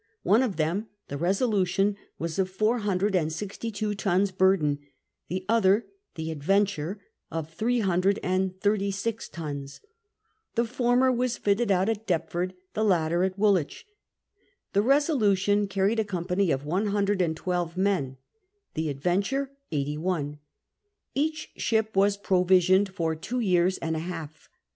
One of them, the Besoluiion, was of four hundred and sixty two tons burden ; the other, the Adverdurey of throe hundred and thirty six tons. The former was fitted out at Dept ford, the latter at Woolwich. The Resolution carried a company of one hundred and twelve men, the Adventure VIII THE OUTFIT 93 eighty one. Each ship was provisioned for two years and a half.